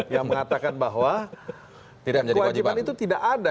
yang mengatakan bahwa kewajiban itu tidak ada